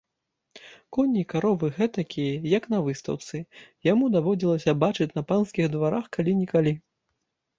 Коні і каровы гэтакія, як на выстаўцы, яму даводзілася бачыць па панскіх дварах калі-нікалі.